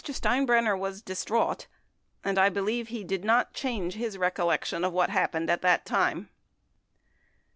Steinbrenner was distraught, and I be lieve he did not change his recollection of what happened at that time.